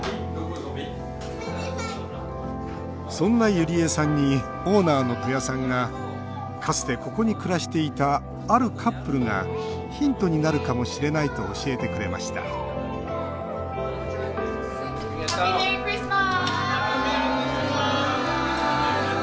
そんな、ゆりえさんにオーナーの戸谷さんがかつて、ここに暮らしていたあるカップルがヒントになるかもしれないと教えてくれましたハッピーメリークリスマス！